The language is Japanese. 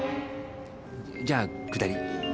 じゃあ下り。